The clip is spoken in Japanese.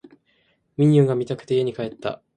ミニオンが見たくて家に帰った